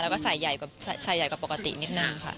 แล้วก็ใส่ใหญ่กว่าปกตินิดหนึ่งค่ะ